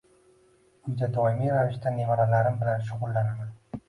Uyda doimiy ravishda nevaralarim bilan shug’ullanaman.